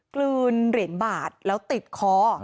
กลืนเหรียญบาทแล้วติดคอ